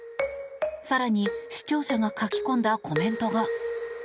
更に、視聴者が書き込んだコメントが。